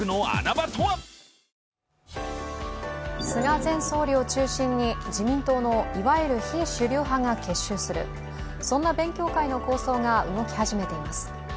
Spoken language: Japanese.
菅前総理を中心に自民党のいわゆる非主流派が結集する、そんな勉強会の構想が動き始めています。